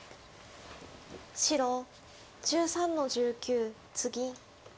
白１３の十九ツギ。